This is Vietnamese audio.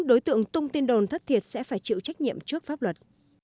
ông tung tin đồn thất thiệt sẽ phải chịu trách nhiệm trước pháp luật